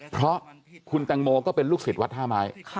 เพราะคุณแตงโมก็เป็นลูกศิษย์วัดท่าไม้